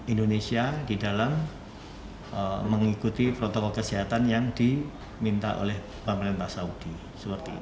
indonesia di dalam mengikuti protokol kesehatan yang diminta oleh pemerintah saudi